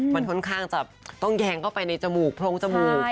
มันค่อนข้างจะต้องแยงเข้าไปในจมูกโพรงจมูก